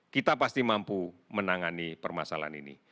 kita pasti mampu menangani permasalahan ini